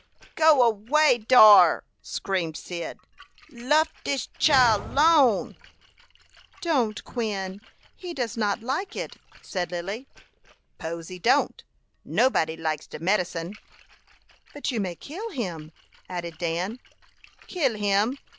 "Go away dar!" screamed Cyd. "Luff dis chile lone." "Don't, Quin; he does not like it," said Lily. "'Pose he don't; nobody likes de medicine." "But you may kill him," added Dan. "Kill him!